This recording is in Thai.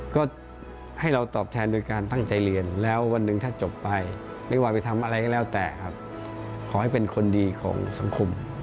ก็ให้เราตอบแทนโดยการตั้งใจเรียนแล้ววันหนึ่งถ้าจบไปไม่ว่าไปทำอะไรก็แล้วแต่ครับขอให้เป็นคนดีของสังคม